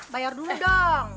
bayar dulu dong